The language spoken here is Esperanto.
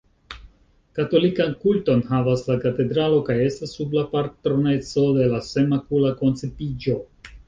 Katolikan kulton havas la katedralo, kaj estas sub la patroneco de la Senmakula koncipiĝo.